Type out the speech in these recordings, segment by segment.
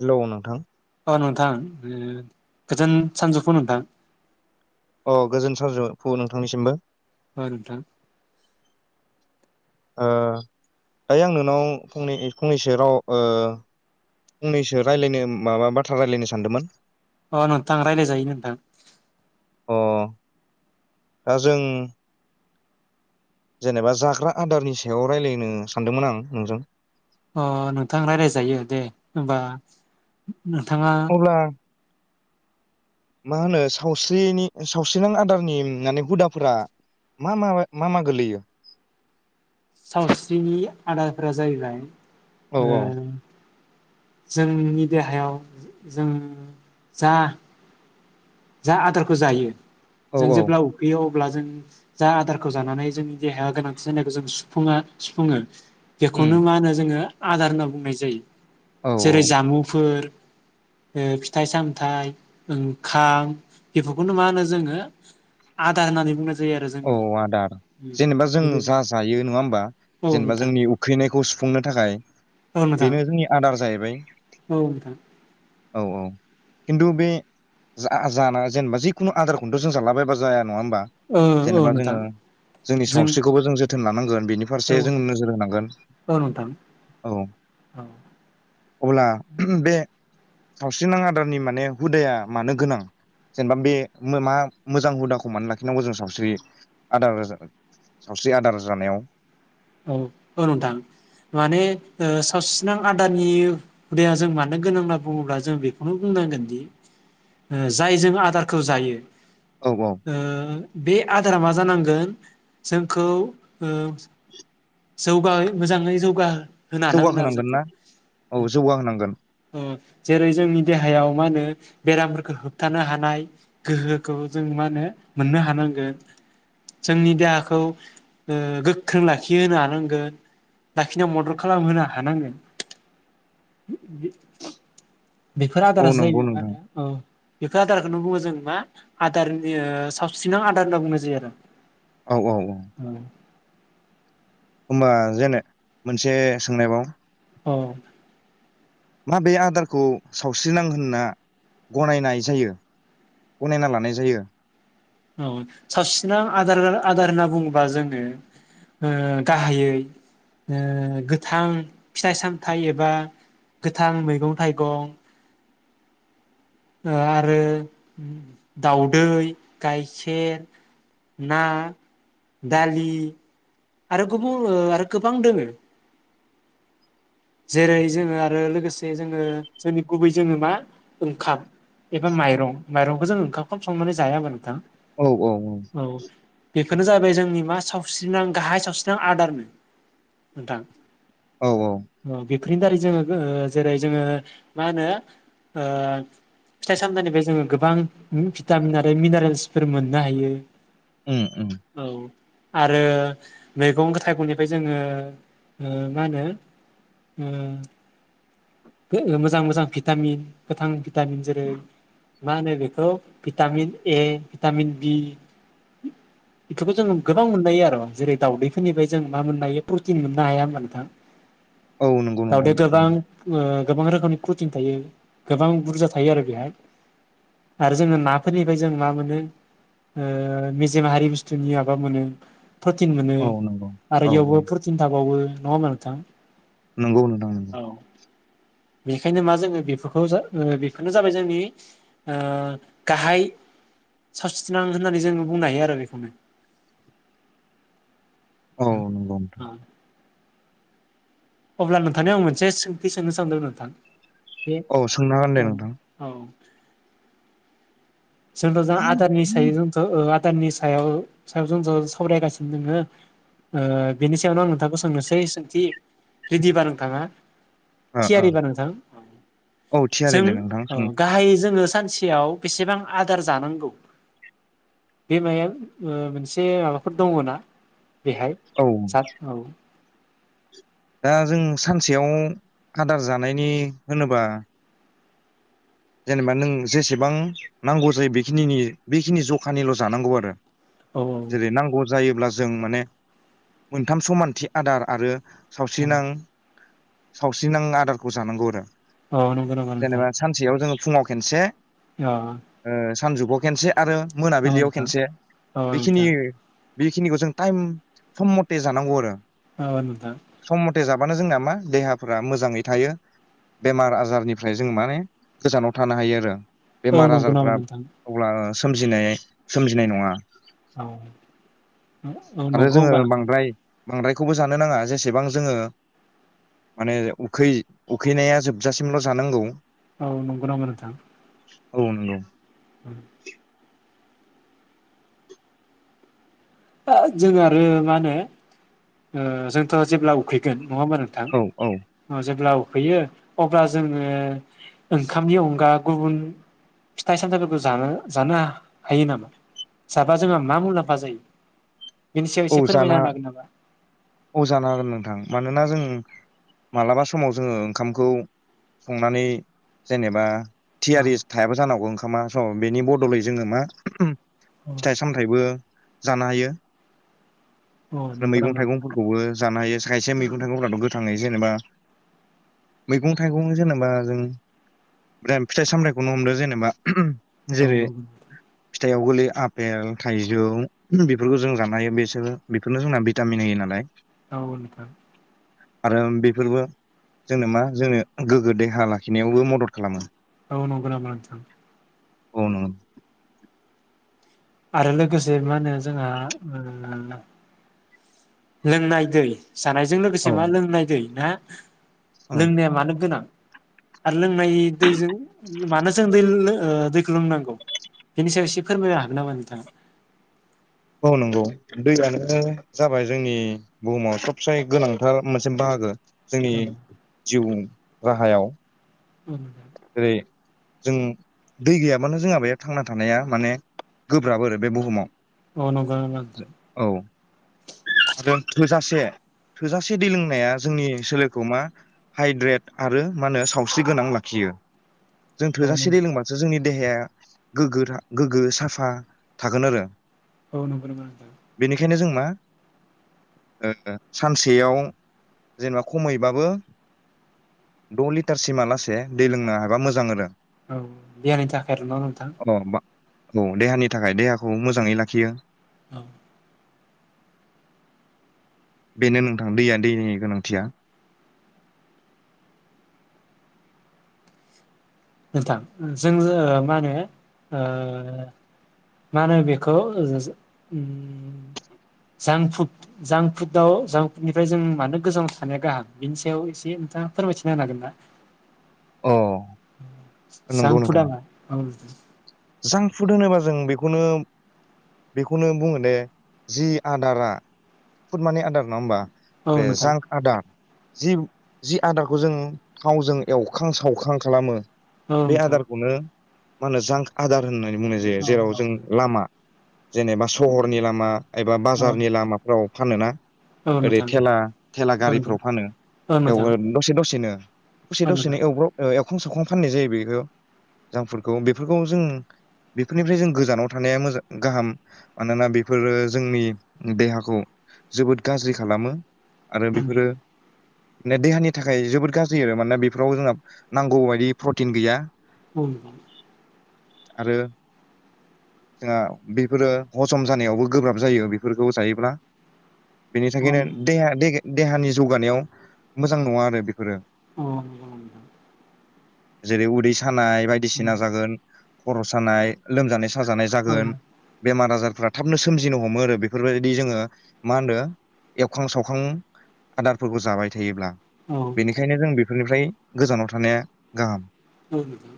Hello नोंथां ओ नोंथां गोजोन सानजौफु नोंथां अ गोजोन सानजुफु नोंथांनिसिमबो ओ नोंथां ओ दायो आं नोंनाव फंनै फंनैसो राव ओ फंनैसो रायलायनो माबा बाथ्रा रायज्लायनो सानदोंमोन अ नोंथां रायज्लायजायो नोंथां अ दा जों जेनेबा जाग्रा आदारनि सायाव राय्लायनो सानदोंमोन आं नोंजों अ नोंथां रायजायजायो दे होमबा नोंथाङा अब्ला मा होनो सावस्रिनि सावस्रिनां आदारनि माने हुदाफोरा मा मा मा मा गोलैयो सावस्रिनि आदारफोरा जाहैबाय औ ओ जोंनि देहायाव जों जा जा आदारखौ जायो औ जों औ जेब्ला उखैयो अब ब्ला जों जा आदारखौ जानानै जोंनि देहाया गोनांथि जानायखौ जों सुफुङा सुफुङो उम बेखौनो मा होनो जोङो आदार होनना बुंनाय जायो। औ औ जेरै जामुंफोर ओ फिथाइ सामथाय ओं खाम बेफोरखौनो मा होनो जोङो आदा होननानै बुंनाय जायो आरो औ जोंनि आदार जेनेबा जों जा जायो नङा होमबा औ जेनेबा नोंथां जोंनि उखैनायखौ सुफुंनो थाखाय औ नोंथां बेनो जोंनि आदार आदार जाहैबाय। औ नोंथां औ औ खिन्थु बे जा जाना जेनेबा जिखुनु आदारखौथ' जों जालाबायबा जाया नङा होमबा। औ औ जेनेबा नोंथां जोङो जोंनि जों सावस्रिखौबो जों जो थोन लांगोन बेनि फारसे औ जों नोजोर होनांगोन औ नोंथां औ औ अब्ला बे सावस्रिनां आदारनि माने हुदाया मानो गोनां जेनेबा बे मा मोजां हुदाखौ मानो लाखिनांगौ जों सावस्रि आदार सावस्रि आदार जानायाव? औ औ नोंथां माने सावसिनां आदारनि हुदाया जों मानो गोनां होनना बुङोब्ला जों बेखौनो बुंनांगोनदि जाय जों आदारखौ जायो औ औ ओ बे आदारा मा जानांगोन जोंखौ ओ जौगायै मोजाङै जौगा होनो हानांगोन आरो जौगाहोनांगोन जोंखौ ना औ जौगाहोनांगोन ओ जेरै जोंनि देहायाव मा होनो बेरामफोरखौ होबथानो हानाय गोहोखौ जों मा होनो मोननो हानांगोन जोंनि देहाखौ ओ गोख्रों लाखि लााखि होनो हानांगोन लााखिनायाव मदद खालामहोनो हानांगोन। बेफोर औ आदारासो नंगौ जायोबाय मा नोंथां होनो औ बेफोर आदारखौनो बुङो जों मा आदारनि सावस्रिनां आदार होनना बुंनाय जायो आरो। औ औ औ होमबा जेने मोनसे सोंनाय बाव औ माबे आदारखौ सावस्रिनां होनना गनायनाय जायो गनायना लानाय जायो? औ सावस्रिनां आदार आदार होनना बुङोबा जोङो ओ गाहायै ओ गोथां फिथाइ सामथाइ एबा गोथां मैगं थाइगं ओ आरो दाउदै, गाइखेर, ना, दालि आरो गुबुन आरो गोबां दोङो। जेरै जोङो आरो लोगोसे जोङो जोंनि गुबै जोङो मा ओंखाम एबा माइरं माइरंखौ जों ओंखामखौ संनानै जाया होबा नोंथां। औ औ औ बेफोरनो जाबाय जोंनि मा सावस्रिनां गाहाय सावस्रिनां आदारनो नोंथां। औ औ अ बेफोरनि दारै जोङो ओ जेरै जोङो मा होनो ओ फिथाइ सामथाइनिफ्राय जोङो गोबां भिटामिन आरो मिनारेल्सफोर मोननो हायो। उम उम औ आरो मैगं थाइगंनिफ्राय जोङो ओ मा होनो ओम मोजां मोजां भिटामिन गोथां भिटामिन जेरै मा होनो बेखौ भिटामिन ए भिटामिन बि बेफोरखौ जों गोबां मोननाय हायो आरो जेरै दावदैफोरनिफ्राय जों मा मोननो हायो प्रटिन मोननो हाया होमबा नोंथां। औ नंगौ नोंथां। दावदैया गोबां ओ गोबां रोखोमनि कुटिं थायो गोबां बुरजा थायो आरो बेहाय आरो जोङो नाफोरनिफ्राय जों मा मोनो ओ मेजेम हारि बुस्थुनि माबा मोनो। प्रटिन मोनो औ नंगौ आरो औ औ इयावबो प्रटिन थाबावो नङाहोनबा नोंथां। नंगौ नोंदां नोंगौ। बेखायनो मा जोङो बेफोरखौ बेफोरनो जाबाय जोंनि ओ गाहाय सावस्रिनां होननानै जोङो बुंनो हायो आरो बेखौनो औ नोंथां नंगौ नोंथां। अब्ला नोंथांनिाव आं मोनसे सोंनो सानदों नोंथां। बे औ सोंना हागोनदे औ नोंथां औ जोंथ' जों आदारनिसायाव जोंथ' भुटाननि सायाव सायाव जों ज' सावरायगासिनो दोङो बेनि सायावनो आं नोंथांखौ सोंनोसै सोंथि रेदिबा नोंथाङा? ओ ओ थियारिबा नोंथां औ थियारि जों दे नोंथां औ सों गाहाय जोङो सानसेयाव बेसेबां आदार जानांगौ बे माया मोनसे माबाफोर दङ ना? बेहाय औ जाद औ दा जों सानसेयाव आदार जानायनि होनोबा जेनेबा नों जेसेबां नांगौ जायो बेखिनिनि बेखिनि जखानिल' जानांगौ आरो। औ जेरै नांगौ जायोब्ला जों माने मोनथाम समानथि आदार आरो औ सावस्रिनां सावस्रि नां आदारखौ जानांगौ आरो। औ नंगौ नंगौ नोंथाङ। जेनेबा सानसेयाव जोङो फुङाव खनसे अ सानजुआव खनसे आरो औ मोनाबिलियाव नोंथां खनसे औ बेखिनि नोंथां बेखिनिखौ जों टाइम सम मथे जानांगौ आरो। औ नोंथाङ। फथे जाबानो जोंना मा देहाफोरा मोजाङै थायो बेमार आजारनिफ्राय जों माने गोजानाव थानो हायो आरो। औ बेमार नंगौ नामा आजारफ्रा नोंथां अब्ला सोमजिनाय सोमजिनाय नङा। औ आरो नंगौ जोङो होनबा नोंथां बांद्राय बांद्रायखौबो जानो नाङा जेसेबां जोङो मानेै उखैनाया जोबजासिमल' जानांगौ। औ नंगौ नामा नोंथां? औ नंगौ उम जों आरो मा होनो जोंथ' जेब्ला उखैगोन नङा होनबा औ औ नोंथां जेब्ला फैयो अब्ला जोङो ओंखामनि अनगा गुबुन फिथाइ सामथायाइफोरखौ जानो जानो हायो नामा जाबा जोंहा मा मुलाम्फा जायो? बिनि सायाव एसे फोरमायना होनो हागोन नामा? अजानो हागोन नोंथां मानोना जों मालाबा समाव जोङो ओंखामखौ संनानै जेनेबा थियारि थायाबो जानो हागौ ओंखामा सम बेनि बदलै जोङो मा अ फिथाइ सामथाइबो जानो हायो अ आरो नंगौ मैगं नामा नोंथां थाइगंफोरखौबो जानो हायो खायसे मैगं थाइगंफ्राथ' गोथाङै जेनेबा मैगं थाइगं जेनेबा जों ब्राम फिथाइ सामथाइखौनो हमदो जेनेबा औ फिथाइआव गोलैयो आपेल थाइजौ बेफोरखौ जों जानो हायो बे सोरो बेखोनो होना भिटामिन होयो नालाय औ नोथां आरो बेफोरबो जोंनो मा जोंनो गोग्गो देहा लाखिनायावबो मदद खालामो। औ नंग' नामा नोथां? अ आरो लोगोसे मा होनो जोंहा ओ लोंनाय दै जानायजों औ लोगोसे मा लोंनाय दै ना [inaudible] औ लोंनाया मानो गोनां आरो लोंनाय दैजों मानो जों दै लो ओ दैखौ लोंनांगौ बेनि सायाव एसे फोरमायनो हागोन नामा नोंथाङा? अ नोंगौ दैयानो जाबाय जोंनि बुहुमाव सोबसे गोनांथार मोनसे बाहागो। जोंनि औ जिउ राहायाव उम जेरै जों दै गैयाबानो जोंहा बेया थांना थानाया माने गोब्राब आरो बे बुहुमाव अ नंगौ नामा नोथां? औ आरो थोजासे-थोजासे दै लोंनाया जोंनि सोलेरखौ मा हाइद्रेड आरो मा नो सावस्रि गोनां लाखियो। जों औ थोजासे दै लोंबासो जोंनि देहाया गोग्गो था गोग्गो साफा थागोन आरो। औ नंगौ नंगौ नोथां। बेनिखायनो जों मा ओ सानसेयाव जेनेबा खमैबाबो द' लिटारसिमालासे दै लोंनो हाबा मोजां आरो। औ देहानि थाखाय आरो न' नोंथां? अ बा औ देहानि थाखाय देहाखौ मोजाङै लाखियो। औ। बेनो नोंथां दैया दैनि गोनांथिया नोंथां जों ओ मा होनो ओ मा होनो बेखौ ओम जांक फुड जांक फुडआव जांक फुडनिफ्राय जों मानो गोजानाव थानाया गाहाम बेनि सायाव एसे नोंथाङा फोरमायथिना होनो हागोन ना? अ। जां नंगौ नोंथां फुदआ मा? जांक फुड होनोबा जों बेखौनो बेखौनो बुङो दे जि आदारा फुड माने आदारा नङा होमबा? औ बे नोंथां जांकआ दा जि जि आदारखौ जों थावजों एवखां सावखां खालामो औ बे नोंथां आदारखौनो मा होनो जां आदार होननानै बुंनाय जायो औ नोंथां औ जेराव जों लामा जेनेबा सहरनि लामा एबा औ बाजारनि लामाफ्राव फानोना औ औ ओरै नोंथां थेला थेला औ नोंथां गारिफोराव फानो औ एवो नोंथां दसे दसेनो दसे औ दसेनो नोंथां एवब्रब ओ एव एवखां सावखां फाननाय जायो बेखौ जां फुडखौ बेफोरखौ जों बेफोरनिफ्राय जों गोजानाव थानाया मोजां गाहाम मानोना बेफोरो जोंनि देहाखौ जोबोद गाज्रि खालामो। आरो उम बेफोरो नो देहानि थाखाय जोबोद गाज्रि आरो मानोना बेफोराव जोंहा नांगौ बायदि प्रटिन गैया। औ नोंथां। आरो जोंहा बेफोरो हजम जानायावबो गोब्राब जायो बेफोरखौ जायोब्ला बेनि अ थाखायनो नोंथां देहा दे देहानि जौगानायाव मोजां नङा आरो बेफोरो। [unintelligible] जेरै उदै सा सानाय बायदिसिना जागोन। खर' सानाय लोमजानाय सा साजानाय जागोन बेमार आजारफ्रा थाबनो सोमजिनो हमो आरो बेफोरबायदि जोङो मा होनदो एवखां सावखां आदारफोरखौ जाबाय थायोब्ला। औ नोंथां बेनिखायनो जों बेफोरनिफ्राय गोजानाव थानाया गाहाम औ नोंथां।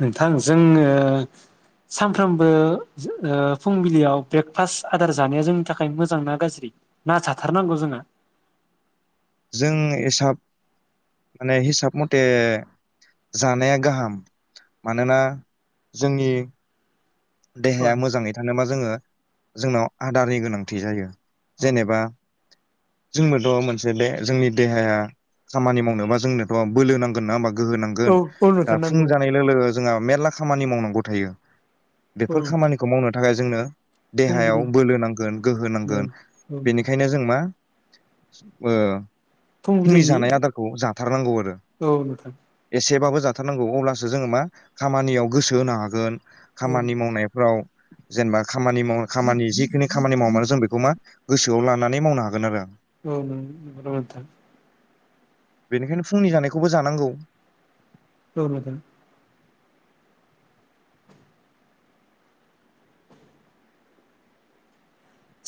नोंथां जोङो सानफ्रोमबो ओ फुंबिलियाव ब्रेकफास्ट आदार जानाया जोंनि थाखाय मोजां ना गाज्रि ना जाथारनांगौ जोङो। जों हिसाब माने हिसाब मटे जानाया गाहाम मानोना जोंनि औ देहाया मोजाङै थानोबा जोङो जोंनाव आदारनि गोनांथि जायो। नोंथां जेनेबा जोंनोथ' मोनसे बे जोंनि देहाया खामानि मावनोबा जोंनोथ' बोलो नांगोन ना ओमबा। गोहो औ नांगोन औ दा नोंथां फुं नांगौ जानाय लोगो लोगो जोंहा मेरला खामानि मावनांगौ थायो। औ बेफोर नोंथां खामानिखौ मावनो थाखाय जोंनो देहायाव फुंबिलि बोलो नांगोन गोहो औ नांगोन औ नोंथां बेनिखायनो जों मा ओ। फुंनि फुंबिलिनि जानाय आदारखौ जाथारनांगौ आरो औ नोंथां एसेबाबो जाथारनांगौ अब्ला जोङो मा खामानियाव गोसो होनो हागोन। औ खामानि मावनायफ्राव जेनेबा खामानि माव खामानि जिखिनि खामानि मावामानो जों बेखौ मा गोसोआव लानानै मावनो हागोन आरो। औ नोंगौ नोंथां। बेनिखायनो फुंनि जानायखौबो जानांगौ। औ‌ नोंथां।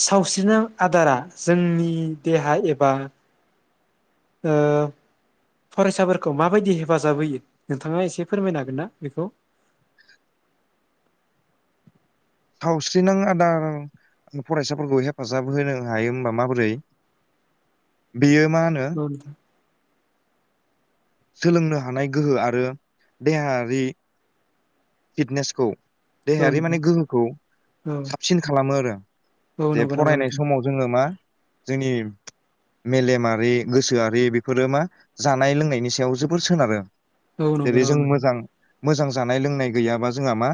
सावस्रिना आदारा जोंनि देहा एबा ओ फरायसाफोरखौ माबायदि हेफाजाब होयो नोंथाङा एसे फोरमायनो हागोन ना बेखौ सावस्रिनां आदार फरायसाफोरखौ हेफाजाब होनो हायो होमबा माबोरै बेयो मा होनो औ नोंथां सोलोंनो हानाय गोहो आरो देहायारि फिटनेसखौ औ देहायारि माने नोंथां गोहोखौ औ साबसिन खालामो आरो औ जे नंगौ नामा फरायनाय नोंथां समाव जोङो मा जोंनि मेलेमारि गोसोआरि बेफोरो मा जानाय लोंनायनि सायाव जोबोर सोनारो। औ नंगौ जेरै नामा जों नोंथां। मोजां मोजां जानाय लोंनाय गैयाबा जोंहा मा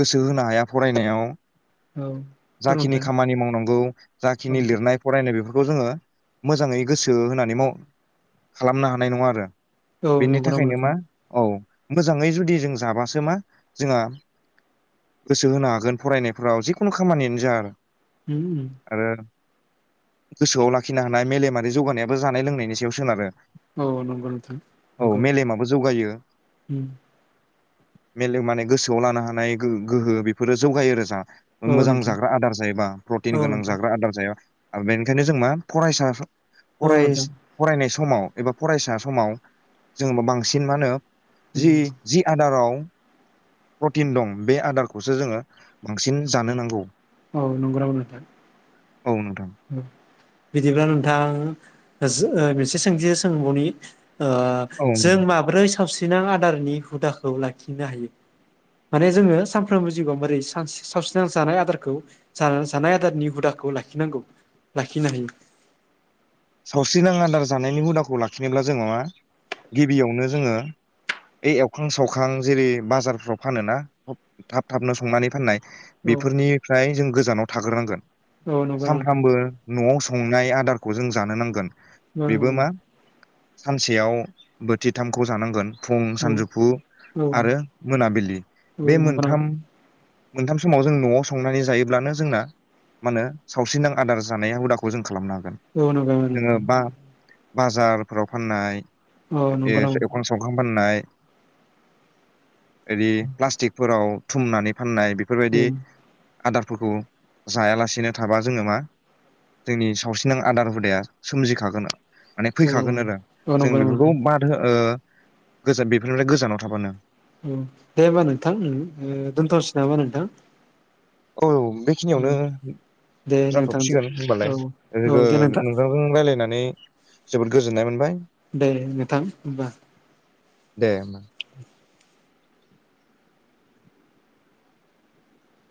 गोसो होनो हाया फरायनायाव औ औ जाखिनि नोंथां खामानि मावनांगौ जाखिनि लिरनाय फरायनाय बेखौ खौ जोङो मोजाङै गोसो होनानै माव‌ खालामनो हानाय नङा आरो। औ बेनि नंगौ नामा थाखायनो मा नोंथां औ। मोजाङै जुदि जों जाबासो मा जोंहा गोसो होनो हागोन फरायनायफ्राव जिखुनु खामानियानो जा आरो होम आरो गोसोआव लाखिनो हानाय मेलेमारि जौगानायाबो जानाय लोंनायनि सायाव सोनारो औ नंगौ नोंथां औ नंगौ मेलेमाबो जौगायो उम मेलेम माने गोसोआव लानो हानाय गोहो गोहो बेफोरो जौगायो आरो जा औ मोजां नोंथां जाग्रा आदार जायोबा प्रटिन औ गोनां नोंथां जाग्रा आदार जाया ओ बेनिखायनो जों मा फरायसा औ फरायस नोंथां फरायनाय समाव एबा फरायसा समाव जों [unintelligible] बा बांसिन मा होनो जि उम जि आदाराव प्रटिन दं बे आदारखौसो जोङो बांसिन जानो नांगौ औ नंगौ नामा नोंथां? औ नोंथां बिदिब्ला नोंथां [unintelligible] जु ओ बिसे सोंथि सोंबावनि ओ औ जों माब्रै सावसि नां आदारनि हुदाखौ लाखिनो हायो माने जोङो सानफ्रोमबो जिउआव मोरै सा सावस्रिनां जानाय आदारखौ जा जानाय आदारनि हुदाखौ लाखिनांगौ। लाखि नानै सावस्रि नां आदार जानायनि हुदाखौ लाखिनोब्ला जोङो मा गिबियावनो जोङो ओ एवखां सावखां जेरै बाजारफ्राव फानोना थाब थाबनो संनानै फाननाय। औ बेफोरनिफ्राय जों गोजानाव थाग्रोनांगोन औ नंगौ नोंथां सानफ्रामबो न'आव स संनाय आदारखौ जों जानो नांगोन बेबो ओम मा सानसेयाव बोथिथामखौ जानांगोन। फुं औ सानजौफु औ आरो मोनाबिलि औ बे नंगौ मोनथाम मोनथाम समाव जों न'आव संनानै जायोब्लानो जोंना मा होनो सावस्रिनां आदार जानाया हुदाखौ जों खालामना [unintelligible] अ नो [unintelligible] बाजारफ्राव फाननाय ए नंगौ नोंथां एवखां सावखां फाननाय एरि प्लास्टिकफोराव थुमनानै फाननाय औ बेफोरबायदि आदारफोरखौ जायालासेनो थाबा जोङो मा जोंनि सावस्रिनां आदार हुदाया सोमजिखागोन माने औ फैखागोन आरो औ जों नंगौ बेफोरखौ नोंथां बाद हो ओ गोजान बेफोरनिफ्राय गोजानाव थाबानो उम दे होमबा नोंथां उम ओ दोनथनोसै नामा नोंथां औ बेखिनियावनो दे नोंथांजों जाथ'बसिगोन औ होमबालाय ओ औ गो दे नोंथां नोंथांजों रायलायनानै नै जोबोद गोजोननाय मोनबाय दे नोंथां होमबा दे होमबा